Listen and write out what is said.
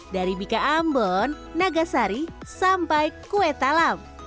dari bika ambon nagasari sampai kue talam